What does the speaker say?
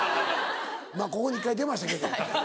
まぁここに一回出ましたけど。